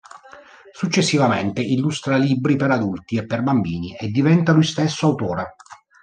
Successivamente illustra libri per adulti e per bambini e diventa lui stesso autore.